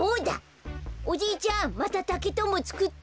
おじいちゃんまたたけとんぼつくって！